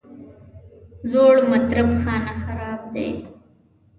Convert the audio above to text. زوړ مطرب خانه خراب دی.